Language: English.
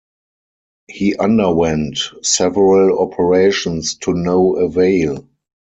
He underwent several operations to no avail.